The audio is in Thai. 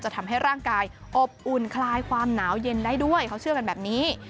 ทำให้ร่างกายอบอุ่นคลายความหนาวเย็นได้ด้วยเขาเชื่อกันแบบนี้